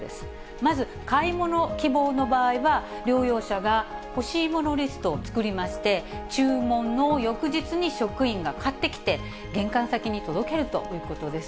まず、買い物希望の場合は、療養者が欲しいものリストを作りまして、注文の翌日に職員が買ってきて、玄関先に届けるということです。